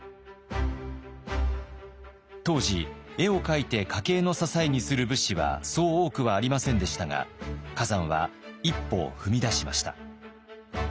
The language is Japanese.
当時絵を描いて家計の支えにする武士はそう多くはありませんでしたが崋山は一歩を踏み出しました。